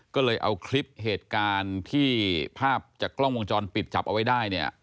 ก็เลยเอาคลิปเหตุการณ์ที่ภาพจากกล้องวงจรปิดจับเอาไว้ได้เนี่ย